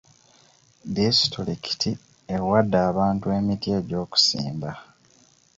Disitulikiti ewadde abantu emiti gy'okusimba.